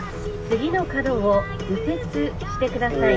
「次の角を右折してください」。